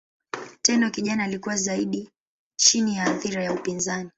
Tenno kijana alikuwa zaidi chini ya athira ya upinzani.